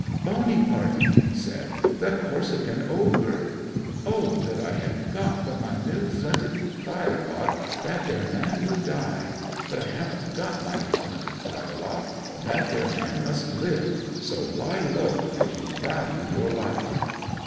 '"Bonaparty," he said. "The Corsican ogre. O that I had got but my new flinted firelock, that there man should die! But I haven't got my new flinted firelock, and that there man must live. So lie low, as you value your life!"